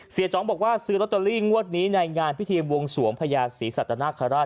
จ๋องบอกว่าซื้อลอตเตอรี่งวดนี้ในงานพิธีวงสวงพญาศรีสัตนคราช